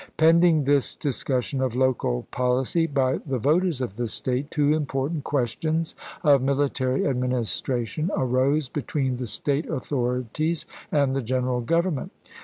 Pending this discussion of local policy by the voters of the State, two important questions of military administration arose between the State authorities and the Greneral Government.